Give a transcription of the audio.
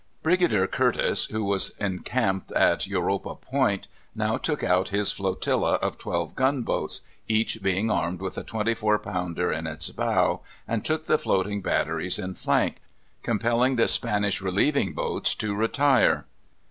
Brigadier Curtis, who was encamped at Europa Point, now took out his flotilla of twelve gunboats, each being armed with a 24 pounder in its bow, and took the floating batteries in flank, compelling the Spanish relieving boats to retire.